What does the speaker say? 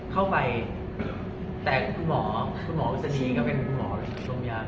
เข้าไปแต่คุณหมอคุณหมออุศนีก็เป็นคุณหมอหรือคุณหัวเมีย